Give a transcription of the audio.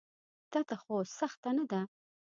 تاته خو سخته نه ده.